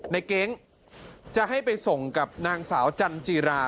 เก๊งจะให้ไปส่งกับนางสาวจันจีรา